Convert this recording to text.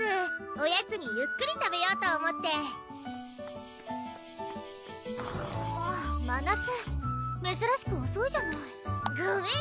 おやつにゆっくり食べようと思ってあっまなつめずらしくおそいじゃないごめん